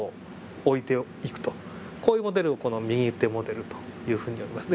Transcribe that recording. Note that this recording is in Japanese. こういうモデルを右手モデルというふうに呼びます。